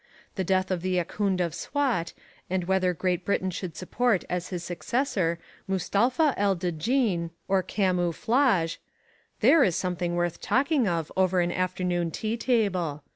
The death of the Ahkoond of Swat, and whether Great Britain should support as his successor Mustalpha El Djin or Kamu Flaj, there is something worth talking of over an afternoon tea table.